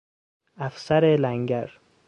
افسر لنگر